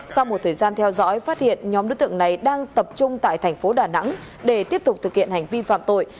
sau một thời gian theo dõi phát hiện nhóm đối tượng này đang tập trung tại thành phố đà nẵng để tiếp tục thực hiện hành vi phạm tội